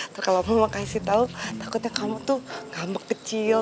terus kalau mama kasih tau takutnya kamu tuh ngambek kecil